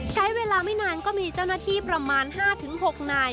ใช้เวลาไม่นานก็มีเจ้าหน้าที่ประมาณ๕๖นาย